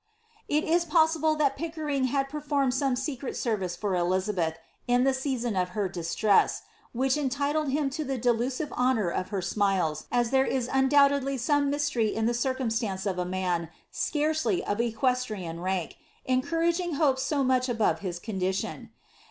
It is possible that Pickering had performed some lecret'service for Elizabeth, in the season of her distress, whicli euUlkd UB ^^^^ ■LIZADBTD. him to flip drlusive honour of her smiles, as iherc is itiidoubledly soma myalei^ in Ui« circunisiance of a man, scarrely of ecjuestrian rank, eiH counging hopes so much above his condiiion.